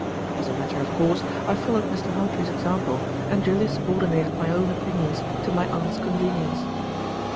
As a matter of course, I followed Mr. Hartrey's example, and duly subordinated my own opinions to my aunt's convenience.